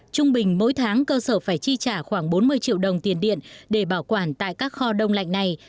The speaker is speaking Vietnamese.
trung bình mỗi tháng cơ sở phải chi trả khoảng bốn mươi triệu đồng tiền điện để bảo quản tại các kho đông lạnh này